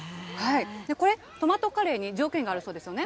これ、トマトカレーに条件があるそうですよね。